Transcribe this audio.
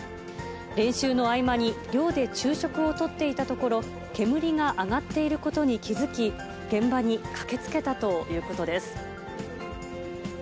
練習の合間に寮で昼食をとっていたところ、煙が上がっていることに気付き、現場に駆けつけたということです。